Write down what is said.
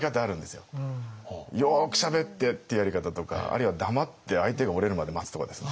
よくしゃべってっていうやり方とかあるいは黙って相手が折れるまで待つとかですね。